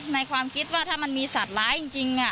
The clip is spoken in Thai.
ความคิดว่าถ้ามันมีสัตว์ร้ายจริง